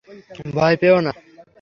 ভয় পেয়ো না!